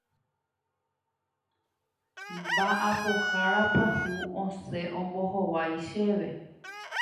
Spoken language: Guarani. Mba'apohára pyahu osẽ ombohovái chéve.